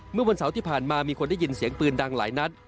เมื่อวันเสาร์ที่ผ่านมามีคนได้ยินเสียงปืนดังหลายนัด